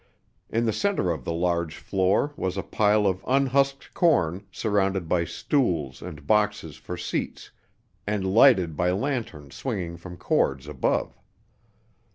In the center of the large floor was a pile of unhusked corn surrounded by stools and boxes for seats, and lighted by lanterns swinging from cords above.